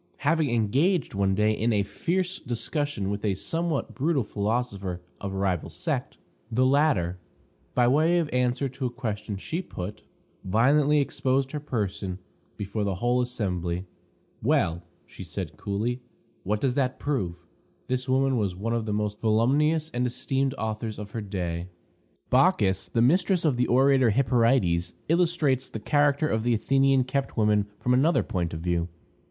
Having engaged one day in a fierce discussion with a somewhat brutal philosopher of a rival sect, the latter, by way of answer to a question she put, violently exposed her person before the whole assembly. "Well," said she, coolly, "what does that prove?" This woman was one of the most voluminous and esteemed authors of her day. Bacchis, the mistress of the orator Hyperides, illustrates the character of the Athenian kept woman from another point of view.